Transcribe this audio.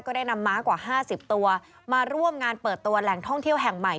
ได้นำม้ากว่า๕๐ตัวมาร่วมงานเปิดตัวแหล่งท่องเที่ยวแห่งใหม่